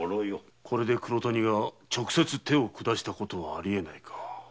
これで黒谷が直接手をくだしたことはありえないか。